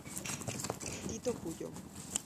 Tito Pullo.